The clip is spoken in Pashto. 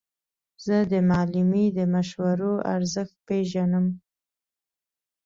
زه د معلمې د مشورو ارزښت پېژنم.